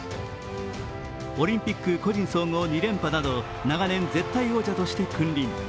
オリンピック個人総合２連覇など、長年、絶対王者として君臨。